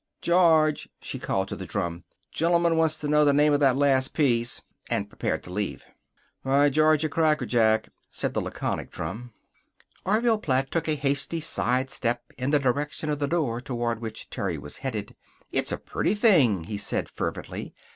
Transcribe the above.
"George!" she called to the drum. "Gentleman wants to know the name of that last piece." And prepared to leave. "'My Georgia Crackerjack,'" said the laconic drum. Orville Platt took a hasty side step in the direction of the door toward which Terry was headed. "It's a pretty thing," he said fervently.